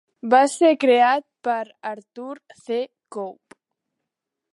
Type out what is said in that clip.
Va ser creat per Arthur C. Cope.